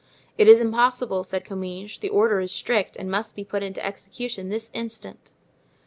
"It is impossible," said Comminges; "the order is strict and must be put into execution this instant."